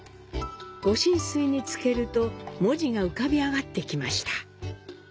御神水につけると文字が浮かび上がってきました。